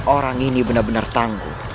orang ini benar benar tangguh